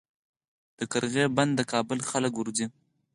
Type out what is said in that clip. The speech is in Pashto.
د قرغې بند د کابل خلک ورځي